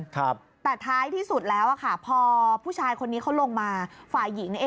แต่ท้ายที่สุดแล้วพอผู้ชายคนนี้เขาลงมา